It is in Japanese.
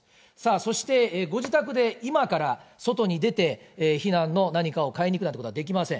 そしてご自宅で今から外に出て避難の何かを買いに行くというようなことはできません。